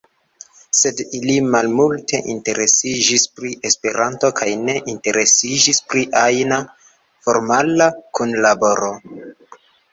Sed ili malmulte interesiĝis pri Esperanto kaj ne interesiĝis pri ajna formala kunlaboro.